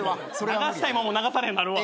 流したいもんも流されへんなるわ。